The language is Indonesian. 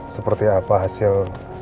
seperti apa hasil